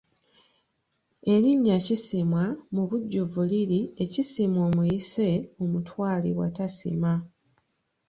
Erinnya Kisiimwa mu bujjuvu liri Ekisiimwa omuyise omutwalibwa tasiima.